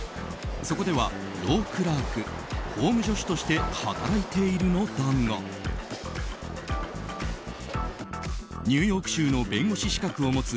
そこでは、ロークラーク法務助手として働いているのだがニューヨーク州の弁護士資格を持つ